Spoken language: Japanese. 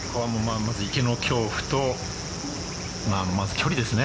まず、池の恐怖と距離ですね。